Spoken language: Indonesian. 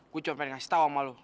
gua cuma pengen ngasih tau sama lu